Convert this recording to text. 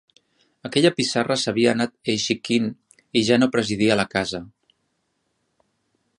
Aquella pissarra s'havia anat enxiquint i ja no presidia la casa